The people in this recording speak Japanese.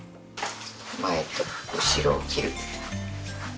前と後ろを切る。